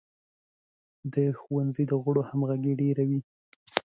د ښوونځي د غړو همغږي ډیره وي.